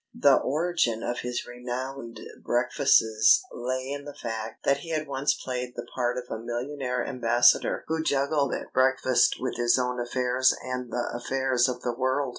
The origin of his renowned breakfasts lay in the fact that he had once played the part of a millionaire ambassador who juggled at breakfast with his own affairs and the affairs of the world.